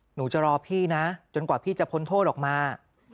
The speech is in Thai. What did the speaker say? หนูจะรอพี่นะจนกว่าพี่จะพ้นโทษออกมา